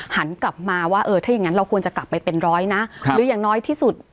หันกลับมาว่าเออถ้าอย่างนั้นเราควรจะกลับไปเป็นร้อยนะหรืออย่างน้อยที่สุด